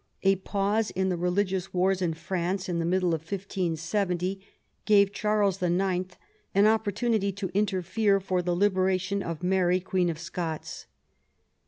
A pause in the religious wars in France, in the middle of 1570, gave Charles IX. an opportunity to interfere for the. liberation of Mary Queen of Scots.